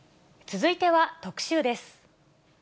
続いては特集です。